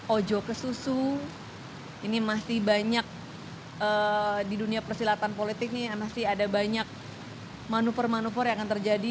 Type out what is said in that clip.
ojo ke susu ini masih banyak di dunia persilatan politik nih masih ada banyak manuver manuver yang akan terjadi